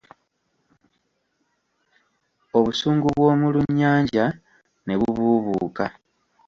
Obusungu bw'omulunnyanja ne bubuubuuka.